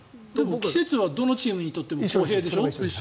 季節はどのチームにとっても公平でしょ？